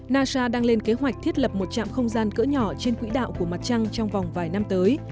nasa đang lên kế hoạch thiết lập một trạm không gian cỡ nhỏ trên quỹ đạo của mặt trăng trong vòng vài năm tới